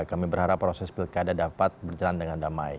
kami berharap proses pilkada dapat berjalan dengan damai